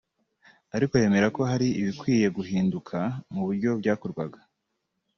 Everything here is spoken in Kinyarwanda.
ariko yemera ko hari ibikwiye guhinduka mu buryo byakorwaga